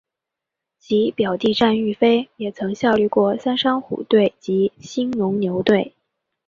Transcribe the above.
其表弟战玉飞也曾经效力过三商虎队及兴农牛队。